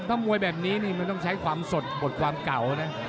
ถ้ามวยแบบนี้นี่มันต้องใช้ความสดบทความเก่านะ